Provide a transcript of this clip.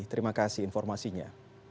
terima kasih informasinya